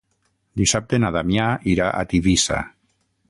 Dissabte na Damià irà a Tivissa.